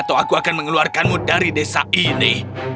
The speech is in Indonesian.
atau aku akan mengeluarkanmu dari desa ini